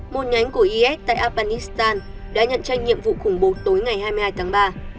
một nhánh của is tại afghanistan đã nhận tranh nhiệm vụ khủng bố tối ngày hai mươi hai tháng ba